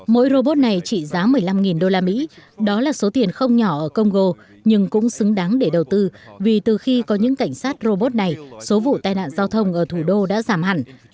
mỗi robot này trị giá một mươi năm usd đó là số tiền không nhỏ ở congo nhưng cũng xứng đáng để đầu tư vì từ khi có những cảnh sát robot này số vụ tai nạn giao thông ở thủ đô đã giảm hẳn